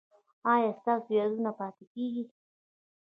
ایا ستاسو یادونه پاتې کیږي؟